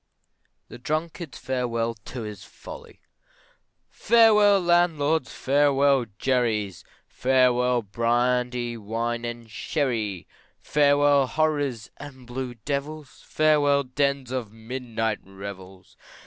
THE DRUNKARD'S FAREWELL TO HIS FOLLY! Farewell landlords, farewell jerry's, Farewell brandy, wine, and sherry, Farewell horrors and blue devils, Farewell dens of midnight revels.